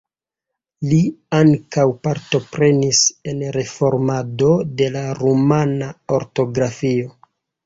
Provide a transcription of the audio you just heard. Li ankaŭ partoprenis en reformado de la rumana ortografio.